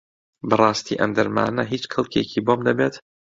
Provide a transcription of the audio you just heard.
بەڕاستی ئەم دەرمانە هیچ کەڵکێکی بۆم دەبێت؟